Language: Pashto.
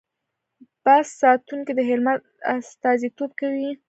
بست ساتونکي د هلمند استازیتوب کوي.